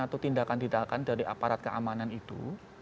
atau tindakan tindakan dari aparat keamanan itu